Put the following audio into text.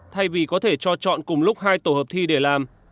thay vì có thể cho chọn cùng lúc hai tổ hợp thi để làm